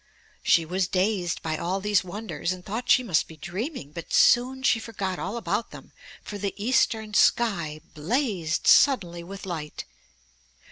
She was dazed by all these wonders, and thought she must be dreaming, but soon she forgot all about them, for the eastern sky blazed suddenly with light.